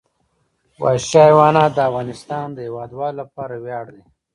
وحشي حیوانات د افغانستان د هیوادوالو لپاره ویاړ دی.